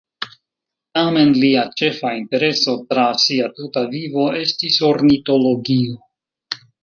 Tamen, lia ĉefa intereso tra sia tuta vivo estis ornitologio.